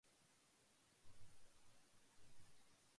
قفوا قلنا في ربع ليلى مواقف